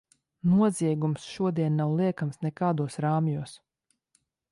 Noziegums šodien nav liekams nekādos rāmjos.